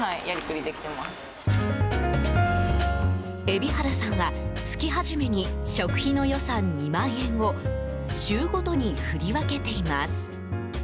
海老原さんは、月初めに食費の予算２万円を週ごとに振り分けています。